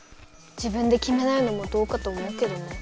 自分できめないのもどうかと思うけどね。